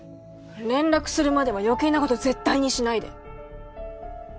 連絡するまでは余計なこと絶対にしないで！